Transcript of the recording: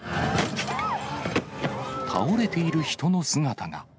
倒れている人の姿が。